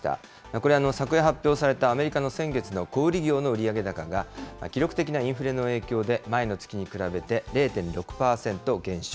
これ、昨夜発表されたアメリカの先月の小売り業の売上高が、記録的なインフレの影響で、前の月に比べて０．６％減少。